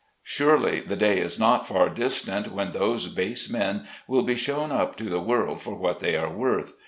Surely, the day is not far distant when those base men will be shown up to the world for what they are worth.